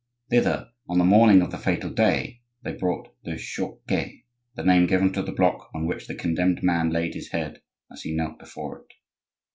Thither, on the morning of the fatal day, they brought the chouquet,—a name given to the block on which the condemned man laid his head as he knelt before it.